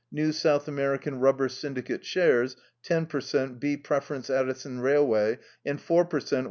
New South American Rubber Syndicate Shares, 10 per cent. B Preference Addison Railway, and 4 per cent.